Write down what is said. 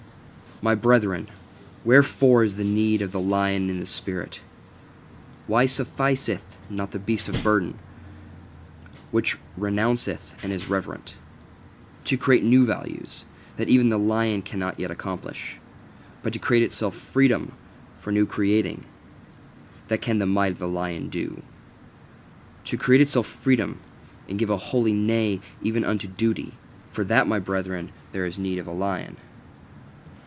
My brethren, wherefore is there need of the lion in the spirit? Why sufficeth not the beast of burden, which renounceth and is reverent? To create new values that, even the lion cannot yet accomplish: but to create itself freedom for new creating that can the might of the lion do. To create itself freedom, and give a holy Nay even unto duty: for that, my brethren, there is need of the lion.